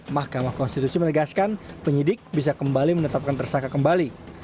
mahkamah konstitusi menegaskan penyidik bisa kembali menetapkan tersangka kembali